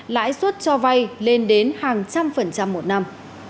lãi suất cho vay lên đến hàng trăm phần trăm một năm